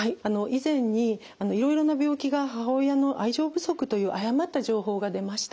以前にいろいろな病気が母親の愛情不足という誤った情報が出ました。